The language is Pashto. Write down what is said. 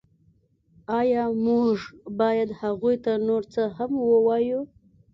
ایا موږ باید هغوی ته نور څه هم ووایو